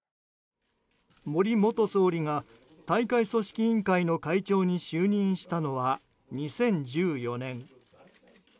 森元総理が大会組織委員会の会長に就任したのは２０１４年。